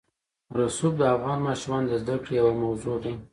رسوب د افغان ماشومانو د زده کړې یوه موضوع ده.